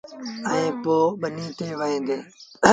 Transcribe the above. ائيٚݩ پو ٻنيٚ تي وهيݩ ديٚݩ۔